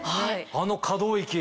あの可動域。